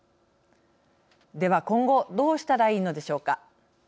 では、今後どうしたらいいのでしょうか。